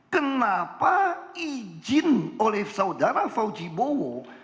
kenapa izin oleh sudara faujibowo